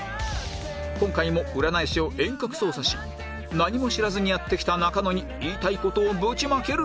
今回も占い師を遠隔操作し何も知らずにやって来た中野に言いたい事をぶちまける作戦